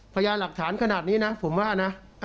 พยายามหลักฐานขนาดนี้นะผมว่านะ